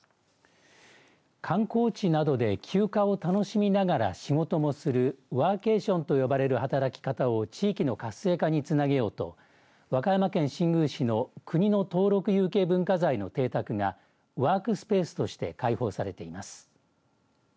観光地などで休暇を楽しみながら仕事もするワーケーションと呼ばれる働き方を地域の活性化につなげようと和歌山県新宮市の国の登録有形文化財の邸宅がワークスペースとして開放されています。